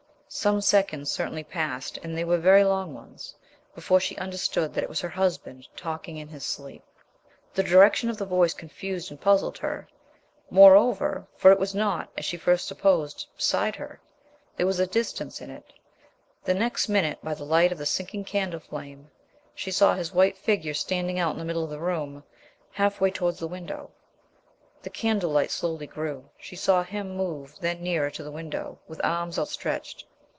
Some seconds certainly passed and, they were very long ones before she understood that it was her husband talking in his sleep. The direction of the voice confused and puzzled her, moreover, for it was not, as she first supposed, beside her. There was distance in it. The next minute, by the light of the sinking candle flame, she saw his white figure standing out in the middle of the room, half way towards the window. The candle light slowly grew. She saw him move then nearer to the window, with arms outstretched.